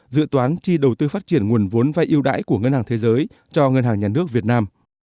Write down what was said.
dự toán chi đầu tư phát triển nguồn vốn vai yêu đãi của ngân hàng thế giới cho ngân hàng nhà nước việt nam